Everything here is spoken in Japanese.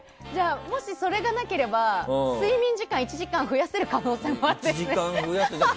もし、それがなければ睡眠時間１時間増やせる可能性もあるってことですね。